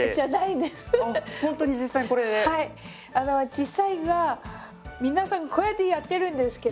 実際は皆さんこうやってやってるんですけど。